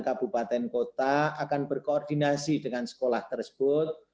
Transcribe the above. kabupaten kota akan berkoordinasi dengan sekolah tersebut